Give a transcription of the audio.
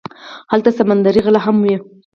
هلته سمندري غله هم وي.